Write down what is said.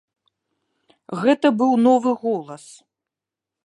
Гэта быў новы голас.